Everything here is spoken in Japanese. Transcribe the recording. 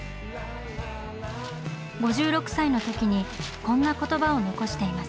５６歳の時にこんな言葉を残しています。